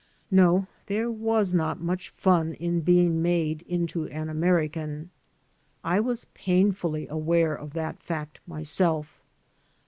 No, there was not much fun in being made into an American. I was painfully aware of that fact myself.